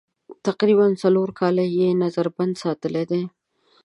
تقریباً څلور کاله یې نظر بند ساتلي دي.